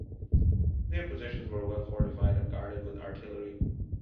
Their positions were well-fortified and guarded with artillery.